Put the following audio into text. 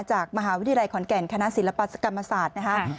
จากมหาวิทยาลัยขอนแก่นคณะศิลปกรรมศาสตร์นะคะ